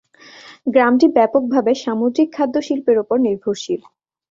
গ্রামটি ব্যাপকভাবে সামুদ্রিক খাদ্য শিল্পের উপর নির্ভরশীল।